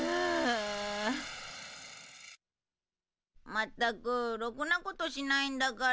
まったくロクなことしないんだから。